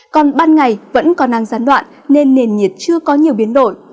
còn ban ngày vẫn còn năng gián đoạn nên nền nhiệt chưa có nhiều biến đổi